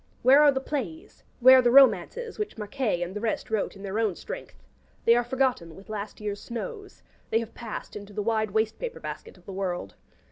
Where are the plays, where the romances which Maquet and the rest wrote in their own strength? They are forgotten with last year's snows; they have passed into the wide waste paper basket of the world.